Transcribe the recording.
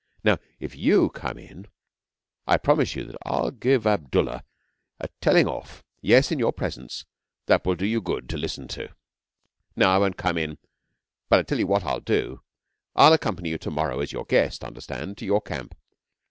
Now, if you come in I promise you that I'll give Abdullah a telling off yes, in your presence that will do you good to listen to.' 'No! I won't come in! But I tell you what I will do. I'll accompany you to morrow as your guest, understand, to your camp.